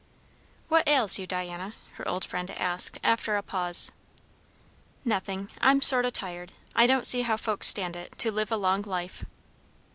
"What ails you, Diana?" her old friend asked after a pause. "Nothing. I'm sort o' tired. I don't see how folks stand it, to live a long life."